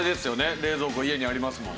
冷蔵庫家にありますもん。